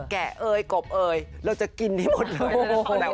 แกะเอ่ยกบเอ่ยเราจะกินให้หมดเลย